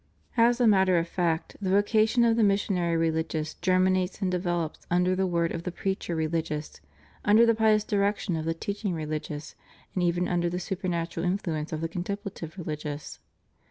As a matter of fact the vocation of the missionary religious germinates and develops under the word of the preacher religious, under the pious direction of the teaching religious and even under the supernatural influence of the contemplative religious.